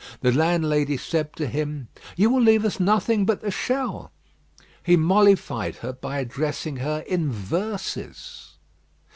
The landlady said to him, "You will leave us nothing but the shell." He mollified her by addressing her in verses.